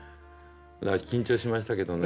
緊張しましたけどね。